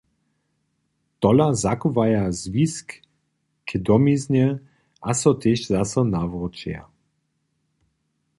Tola zachowaja zwisk k domiznje a so tež zaso nawróćeja.